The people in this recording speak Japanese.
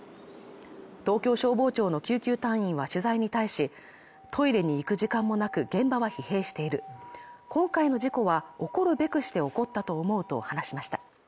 東京消防庁の救急隊員は取材に対しトイレに行く時間もなく現場は疲弊している今回の事故は起こるべくして起こったと思うと話しました